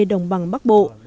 đồng bằng bắc bộ